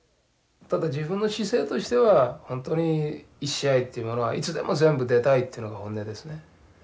ただ自分の姿勢としては本当に１試合というものはいつでも全部出たいっていうのが本音ですね。